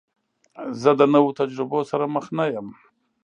زه د نوو تجربو سره مخ نه یم.